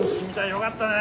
よかったね。